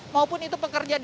maupun itu pekerjaan